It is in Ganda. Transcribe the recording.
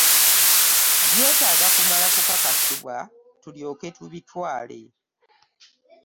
Byetaaga kumala kukakasibwa tukyoke tubitwale.